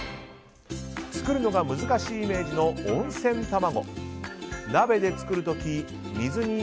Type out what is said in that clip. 作るのが難しいイメージの温泉卵。